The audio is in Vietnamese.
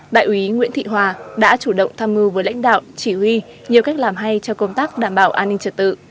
đại úy nguyễn thị hòa đã chủ động tham mưu với lãnh đạo chỉ huy nhiều cách làm hay cho công tác đảm bảo an ninh trật tự